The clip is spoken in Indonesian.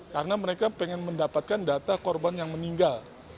karena mereka pengen mendapatkan data korban yang meninggal